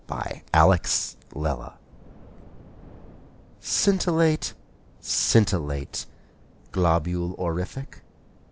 THE LITTLE STAR Scintillate, scintillate, globule orific.